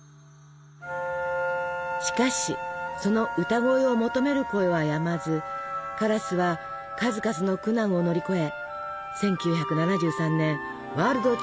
しかしその歌声を求める声はやまずカラスは数々の苦難を乗り越え１９７３年ワールドツアーを開催。